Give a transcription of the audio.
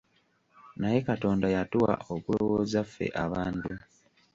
Naye Katonda yatuwa okulowooza ffe abantu.